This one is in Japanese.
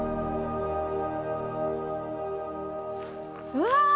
うわ！